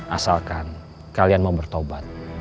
asalkan kalian mau bertobat